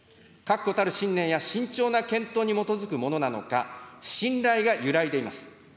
確固たる信念や慎重な検討に基づくものなのか、信頼が揺らいでいます。